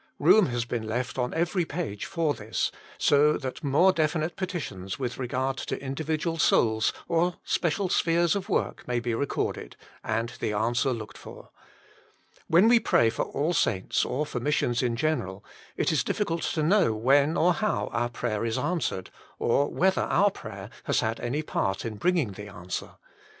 Room has been left on every page for this, so that more definite petitions with regard to indi vidual souls or special spheres of work may be recorded, and the answer looked for. When we pray for all saints, or for missions in general, it is difficult to know when or how our prayer is answered, or whether our prayer has had any part in bringing the answer.